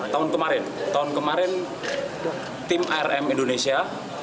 tahun kemarin tahun kemarin tim arm indonesia